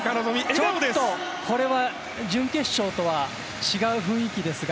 ちょっとこれは準決勝とは違う雰囲気ですが。